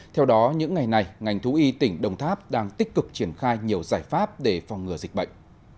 theo đó những ngày này ngành thú y tỉnh đồng tháp đang tích cực triển khai nhiều giải pháp để phòng ngừa dịch bệnh